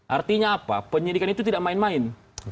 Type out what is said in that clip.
artinya apa penyidikan itu tidak main main